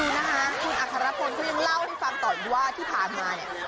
คุณดูนะฮะคุณอาคารพลเค้ายังเล่าให้ฟังต่อว่าที่ผ่านมาเนี่ย